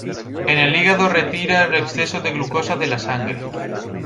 En el hígado retira el exceso de glucosa de la sangre.